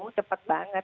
langsung cepet banget